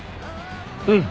うん！